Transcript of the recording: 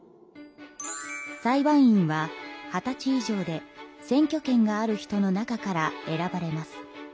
裁判員は二十歳以上で選挙権がある人の中から選ばれます。